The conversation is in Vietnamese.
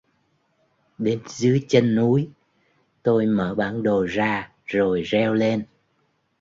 Đến dưới chân núi, tôi mở bản đồ ra rồi reo lên